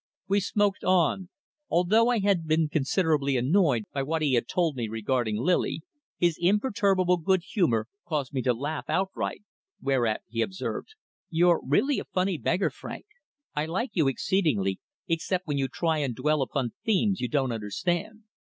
We smoked on. Although I had been considerably annoyed by what he had told me regarding Lily, his imperturbable good humour caused me to laugh outright, whereat he observed "You're really a very funny beggar, Frank. I like you exceedingly, except when you try and dwell upon themes you don't understand.